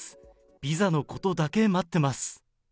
ビザのことだけ待ってます。